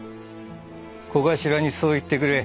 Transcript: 小頭にそう言ってくれ。